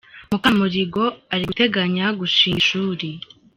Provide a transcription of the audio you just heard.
Mukamurigo ari guteganya gushinga ishuri.